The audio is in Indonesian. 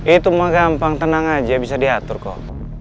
itu mau gampang tenang aja bisa diatur kok